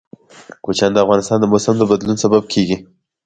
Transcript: کوچیان د افغانستان د موسم د بدلون سبب کېږي.